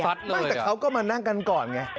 ไม่แต่เขาก็มานั่งกันก่อนไง